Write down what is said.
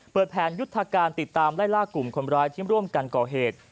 แผนยุทธการติดตามไล่ล่ากลุ่มคนร้ายที่ร่วมกันก่อเหตุ